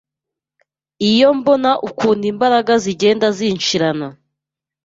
Iyo mbona ukuntu imbaraga zigenda zinshirana